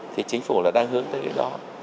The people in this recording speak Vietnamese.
thì chính phủ là đang hướng tới cái đó